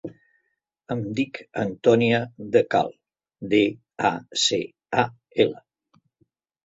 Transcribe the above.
Em dic Antònia Dacal: de, a, ce, a, ela.